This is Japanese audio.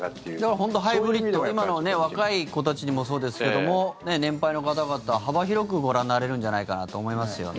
本当にハイブリッド今の若い子たちにもそうですが年配の方々幅広くご覧になれるんじゃないかなと思いますよね。